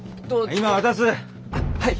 はい。